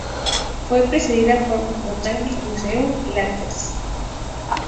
Fue precedida por "Botanical Museum Leaflets.